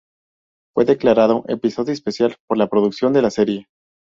Fue declarado episodio especial por la producción de la serie.